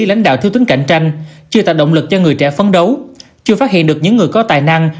lãnh đạo thiếu tính cạnh tranh chưa tạo động lực cho người trẻ phấn đấu chưa phát hiện được những người có tài năng